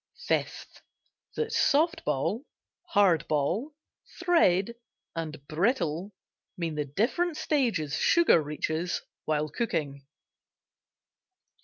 FIFTH. That "soft ball," "hard ball," "thread," and "brittle" mean the different stages sugar reaches while cooking.